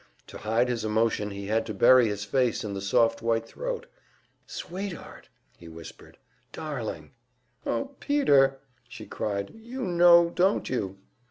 To hide his emotion he had to bury his face in the soft white throat. "Sweetheart!" he whispered. "Darling!" "Uh, Peter!" she cried. "You know don't you?"